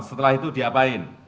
setelah itu diapain